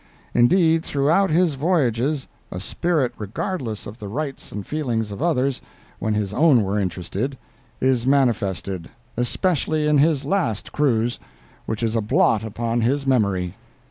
Indeed, throughout his voyages a spirit regardless of the rights and feelings of others, when his own were interested, is manifested, especially in his last cruise, which is a blot upon his memory."